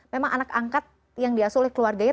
memang anak angkat yang diasuh oleh keluarganya